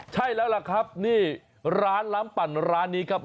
ใช่แล้วล่ะครับนี่ร้านล้ำปั่นร้านนี้ครับ